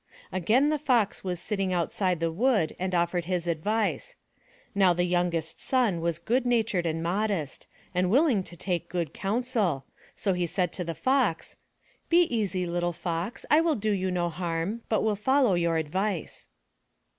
Again the Fox was sitting outside the wood and offered his advice. Now the young est son was good natured and modest, and willing to take good counsel, so he said to the Fox: *'Be easy, little Fox, I will do you no harm, but will follow your advice."